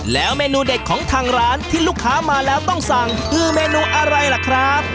แล้วเมนูเด็ดของทางร้านที่ลูกค้ามาแล้วต้องสั่งคือเมนูอะไรล่ะครับ